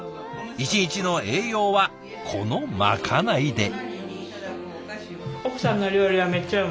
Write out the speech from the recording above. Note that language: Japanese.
一日の栄養はこのまかないで。